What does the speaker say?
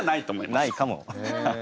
ないかも。